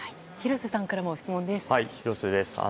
廣瀬さんからも質問です。